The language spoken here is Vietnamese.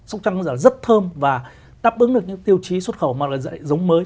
sốc trăng rất là thơm và đáp ứng được những tiêu chí xuất khẩu mà là giống mới